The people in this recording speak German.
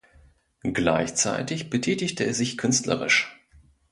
Gleichzeitig betätigte er sich künstlerisch.